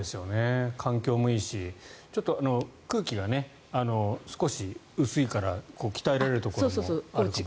環境もいいしちょっと空気が少し薄いから鍛えられるところもあるかもしれませんし。